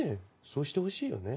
そうしてほしいよね？